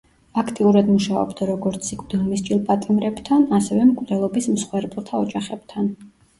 აქტიურად მუშაობდა როგორც სიკვდილმისჯილ პატიმრებთან, ასევე მკვლელობის მსხვერპლთა ოჯახებთან.